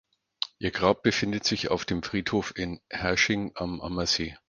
Ihr Grab befindet sich auf dem Friedhof in Herrsching am Ammersee.